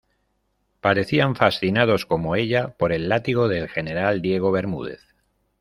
parecían fascinados como ella, por el látigo del general Diego Bermúdez.